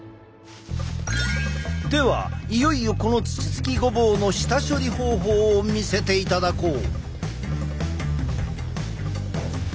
ではいよいよこの土つきごぼうの下処理方法を見せていただこう！